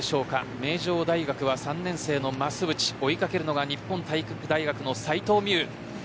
名城大学は３年生の増渕追い掛けるのは日本体育大学の齋藤みう。